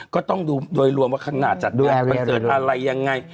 ก็ต้องดูโดยรวมว่าข้างหน้าจัดด้วยคอนเสิร์ตอะไรยังไง